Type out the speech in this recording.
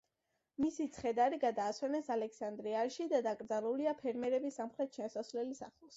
მისი ცხედარი გადაასვენეს ალექსანდრიაში და დაკრძალულია ფერმერების სამხრეთი შესასვლელის ახლოს.